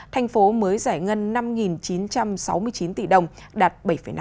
thành phố mới giải ngân năm chín trăm sáu mươi chín tỷ đồng đạt bảy năm